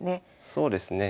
そうですね。